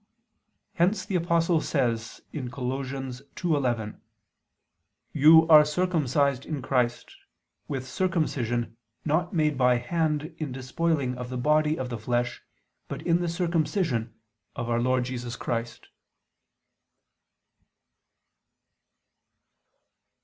Hence the Apostle says (Col. 2:11): "You are circumcised" in Christ "with circumcision not made by hand in despoiling of the body of the flesh, but in the circumcision of" Our Lord Jesus "Christ."